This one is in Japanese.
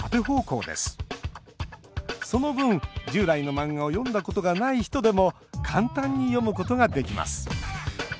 その分、従来の漫画を読んだことがない人でも簡単に読むことができます。